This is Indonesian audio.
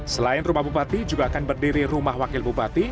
selain rumah bupati juga akan berdiri rumah wakil bupati